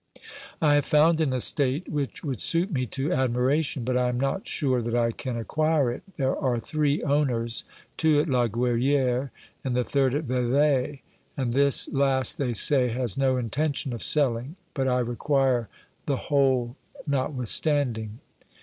I have found an estate which would suit me to admiration, but I am not sure that I can acquire it; there are three owners, two at La Gruyere and the third at Vevey, and this last, they say, has no intention of selling, but I require the whole notwithstanding.